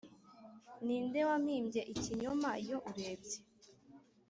ninde wampimbye ikinyoma iyo urebye